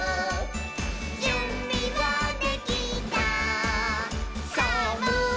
「じゅんびはできたさぁもういちど」